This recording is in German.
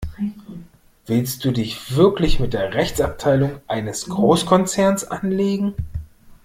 Willst du dich wirklich mit der Rechtsabteilung eines Großkonzerns anlegen?